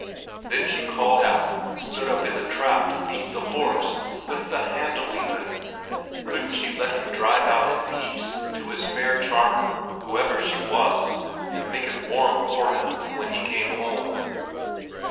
Then she called out and stood up in the trap to beat the horse—with the handle even! Couldn't she let him drive out in peace to his fair charmer, whoever she was, and make it warm for him when he came home?